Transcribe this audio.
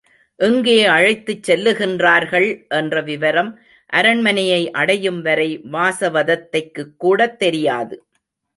எங்கே அழைத்துச் செல்லுகின்றார்கள்? என்ற விவரம் அரண்மனையை அடையும்வரை வாசவதத்தைக்குக்கூடத் தெரியாது.